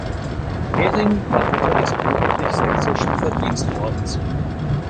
Hering war Ritter des Königlich Sächsischen Verdienstordens.